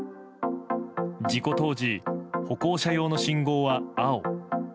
事故当時、歩行者用の信号は青。